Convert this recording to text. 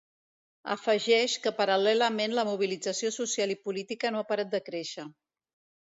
Afegeix que paral·lelament la mobilització social i política no ha parat de créixer.